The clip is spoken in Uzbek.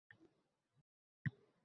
Oppoq changdir ko’zu qoshimiz.